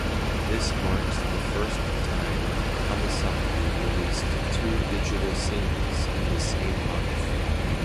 This marks the first time Hamasaki releases two digital singles in the same month.